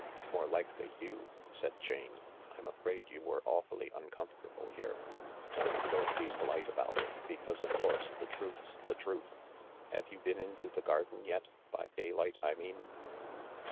" More likely you," said Jane. " I'm afraid you were awfully uncomfortable here. No, don't be polite about it — because, of course, the truth's the truth. Have you been into the garden yet— by daylight, I mean